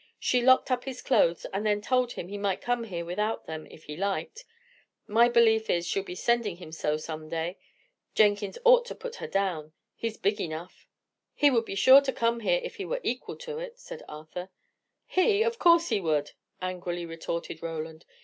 She locked up his clothes, and then told him he might come here without them, if he liked: my belief is, she'll be sending him so, some day. Jenkins ought to put her down. He's big enough." "He would be sure to come here, if he were equal to it," said Arthur. "He! Of course he would!" angrily retorted Roland.